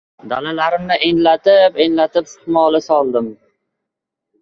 Dalalarimni enlatib-enlatib sixmola soldim.